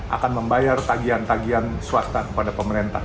akan membayar tagihan tagian swasta kepada pemerintah